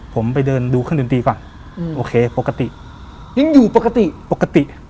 ผมไปเดินดูเครื่องดนตรีก่อนอืมโอเคปกติยังอยู่ปกติปกติ